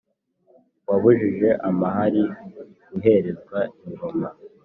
Wabujije amahari guherezwa ingoma,